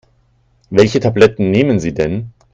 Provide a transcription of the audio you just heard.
Welche Tabletten nehmen Sie denn?